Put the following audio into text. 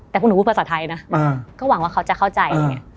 แต่คุณหนูพูดภาษาไทยนะก็หวังว่าเขาจะเข้าใจ